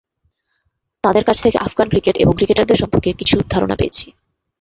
তাঁদের কাছ থেকে আফগান ক্রিকেট এবং ক্রিকেটারদের সম্পর্কে কিছু ধারণা পেয়েছি।